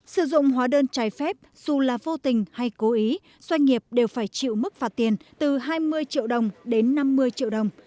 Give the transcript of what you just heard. sử dụng hóa đơn trái phép dù là vô tình hay cố ý doanh nghiệp đều phải chịu mức phạt tiền từ hai mươi triệu đồng đến năm mươi triệu đồng